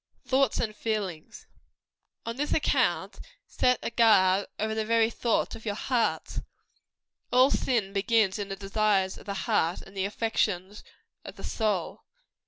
THOUGHTS AND FEELINGS. On this account, set a guard over the very thoughts of your hearts. All sin begins in the desires of the heart and the affections of the soul.